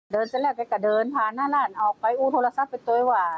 เดินเสร็จแล้วกับเดินพาหน้าร่านออกไปอู้โทรศัพท์ไปตัวไอ้ว่า